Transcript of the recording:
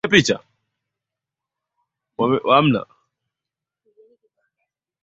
ujenzi wa taifa mpya la Afrika Kusini ndizo zilizochukua wakati wake mwingi hakusita kukosoa